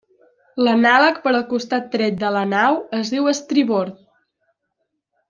L'anàleg per al costat dret de la nau es diu estribord.